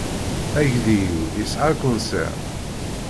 Agdi-iw isɛa akunsir.